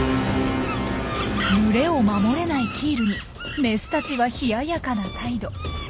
群れを守れないキールにメスたちは冷ややかな態度。